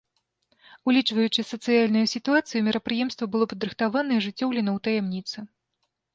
Улічваючы сацыяльную сітуацыю, мерапрыемства было падрыхтавана і ажыццёўлена ў таямніцы.